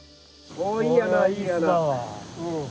おいい穴いい穴。。